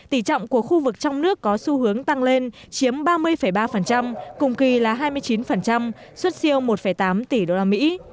tỷ trọng của khu vực trong nước có xu hướng tăng lên chiếm ba mươi ba cùng kỳ là hai mươi chín xuất siêu một tám tỷ đô la mỹ